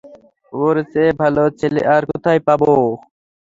ওর চেয়ে ভাল ছেলে আর কোথায় পাবে।